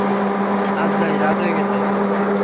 আজ যাই, রাত হয়ে গেছে।